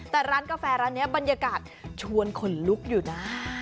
แต่ร้านกาแฟร้านนี้บรรยากาศชวนขนลุกอยู่นะ